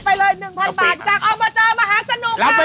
ใช่รับไปเลย๑๐๐๐บาทจากอมโบจอส์หมาคะสนุก